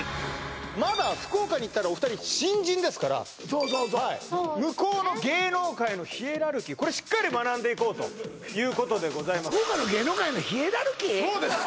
まだ福岡に行ったらお二人新人ですからそうそうそうはい向こうの芸能界のヒエラルキーこれしっかり学んでいこうということでございますそうです